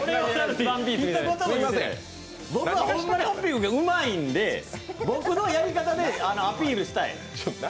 僕はほんまホッピングがうまいんで僕のやり方でアピールしたい。